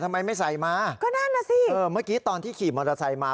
ทำไมไม่ใส่มาก็นั่นน่ะสิเออเมื่อกี้ตอนที่ขี่มอเตอร์ไซค์มา